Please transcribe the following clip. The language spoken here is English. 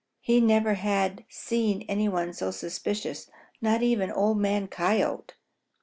He never had seen any one so suspicious, not even Old Man Coyote.